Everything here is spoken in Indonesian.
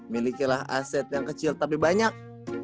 milikilah aset yang kecil tapi banyak